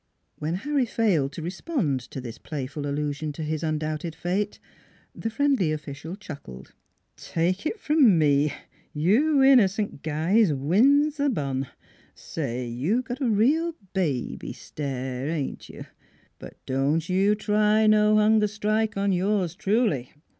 When Harry failed to respond to this playful allusion to his undoubted fate, the friendly official chuckled. ;' Take it from me, you innercent guys wins th' bun! Say, you got a real baby stare, ain't you? ... But don't you try no hunger strike on yours truly.